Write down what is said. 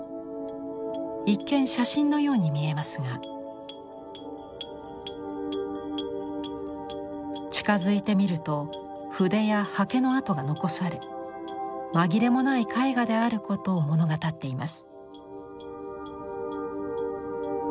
一見写真のように見えますが近づいて見ると筆や刷毛の跡が残され紛れもない絵画であることを物語っています。